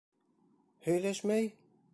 — Һөйләшмәй?